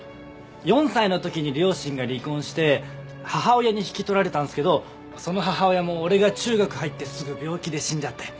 ４歳の時に両親が離婚して母親に引き取られたんですけどその母親も俺が中学入ってすぐ病気で死んじゃって。